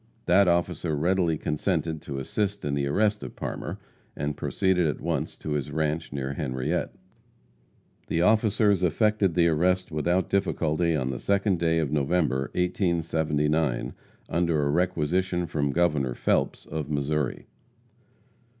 That officer readily consented to assist in the arrest of Parmer, and proceeded at once to his ranche, near Henriette. The officers effected the arrest without difficulty on the 2d day of November, 1879, under a requisition from Governor Phelps, of Missouri.